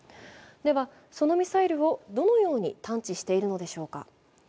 では、そのミサイルをどのように探知しているのでしょうか。